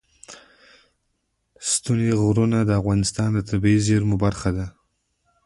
ستوني غرونه د افغانستان د طبیعي زیرمو برخه ده.